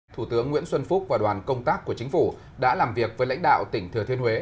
thủ tướng nguyễn xuân phúc và đoàn công tác của chính phủ đã làm việc với lãnh đạo tỉnh thừa thiên huế